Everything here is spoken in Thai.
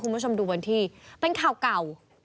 คุณผู้ชมดูวันที่เป็นข่าวเก่า